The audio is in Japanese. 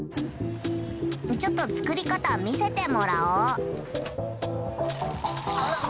ちょっと作り方見せてもらおう。